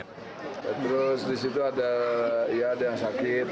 terus di situ ada yang sakit